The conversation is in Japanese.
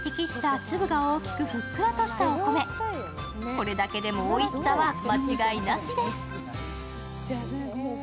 これだけでもおいしさは間違いなしです。